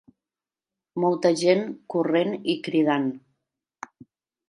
Molta gent corrent i cridant.